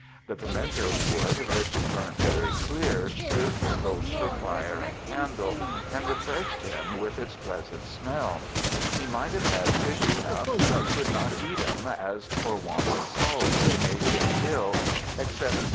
The piemento ^ wood, which burnt very clear, serv'd him both for fire and candle, and refreshed him with it's pleasant smell. He might have had fish enough, but could not eat 'em, as for want of salt, they made him ill, except Crawfish, ^ The Allspice tree of the West Indies.